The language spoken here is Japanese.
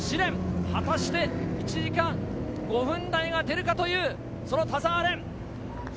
試練、果たして１時間５分台が出るかという田澤廉。